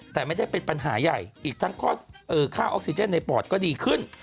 แต่ไม่ได้เป็นปัญหาใหญ่อีกทั้งค่าออกซิเจนในปอดก็ดีขึ้น